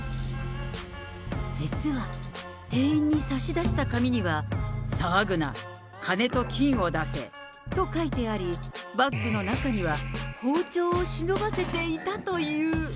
実は店員に差し出した紙には、騒ぐな、カネと金を出せと書いてあり、バッグの中には包丁を忍ばせていたという。